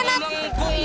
mengkunglah oh tiang